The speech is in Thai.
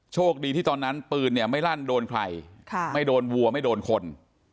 โชคดีที่ตอนนั้นปืนเนี่ยไม่ลั่นโดนใครไม่โดนวัวไม่โดนคน